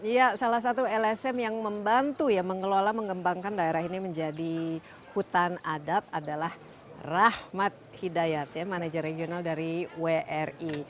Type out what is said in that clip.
ya salah satu lsm yang membantu ya mengelola mengembangkan daerah ini menjadi hutan adat adalah rahmat hidayat ya manajer regional dari wri